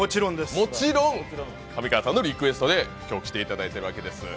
もちろん上川さんのリクエストで今日来ていただいているわけです。